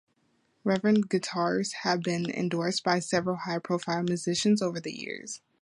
Reverend guitars have been endorsed by several high-profile musicians over the years.